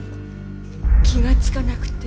気がつかなくて。